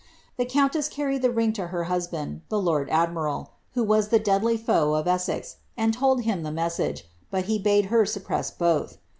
The countess carried the ring to her husband, the lora admiial, 0 was the deadly foe of Essex, and told him the message, but he le her suppress both.